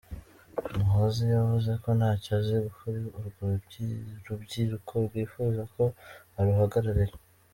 Muhoozi yavuze ko nta cyo azi kuri urwo rubyiruko rwifuza ko aruhagararira.